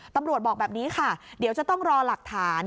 บอกแบบนี้ค่ะเดี๋ยวจะต้องรอหลักฐาน